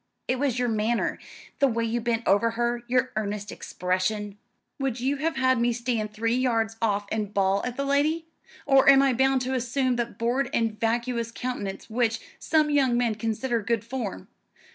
"It was your manner. The way you bent over her, your earnest expression." "Would you have had me stand three yards off and bawl at the lady? Or am I bound to assume that bored and vacuous countenance which some young men consider good form?